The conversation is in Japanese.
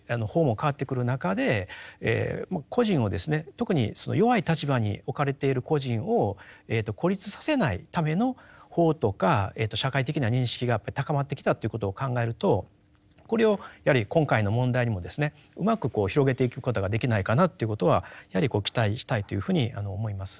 特にその弱い立場に置かれている個人を孤立させないための法とか社会的な認識が高まってきたということを考えるとこれをやはり今回の問題にもですねうまく広げていくことができないかなということはやはり期待したいというふうに思います。